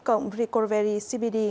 cộng recovery cbd